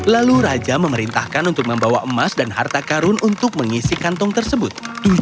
lalu raja memerintahkan untuk membawa emas dan harta karun untuk mengisi kantong tersebut